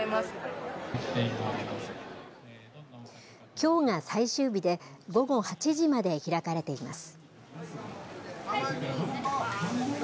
きょうが最終日で午後８時まで開かれています。